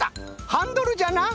ハンドルじゃな。